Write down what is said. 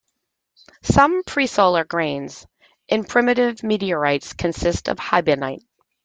Some presolar grains in primitive meteorites consist of hibonite.